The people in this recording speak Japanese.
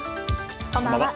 こんばんは。